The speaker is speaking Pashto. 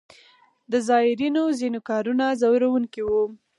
د زایرینو ځینې کارونه ځوروونکي وو.